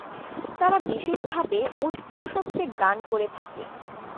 তারা বিশেষভাবে উচ্চ শব্দে গান করে থাকে।